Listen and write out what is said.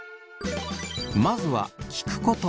まずは聞くこと。